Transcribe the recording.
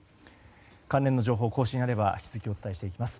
関連の情報は更新があれば引き続きお伝えしていきます。